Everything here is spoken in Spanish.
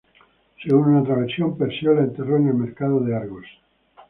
Según otra versión, Perseo la enterró en el mercado de Argos.